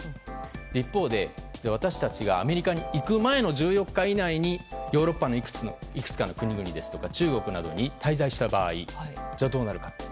一方で私たちがアメリカに行く前の１４日以内にヨーロッパのいくつかの国々ですとか中国などに滞在した場合どうなるか。